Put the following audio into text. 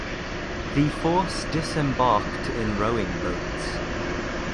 The force disembarked in rowing boats.